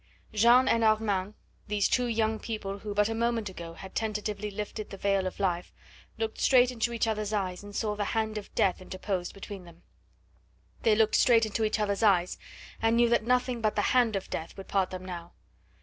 Jeanne and Armand, these two young people who but a moment ago had tentatively lifted the veil of life, looked straight into each other's eyes and saw the hand of death interposed between them: they looked straight into each other's eyes and knew that nothing but the hand of death would part them now.